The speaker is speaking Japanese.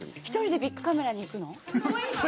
一人でビックカメラに行くの？